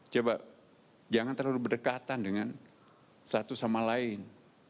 coba jangan terlalu berdekatan dengan satu sama lain